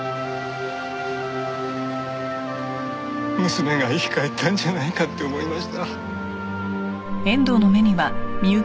娘が生き返ったんじゃないかって思いました。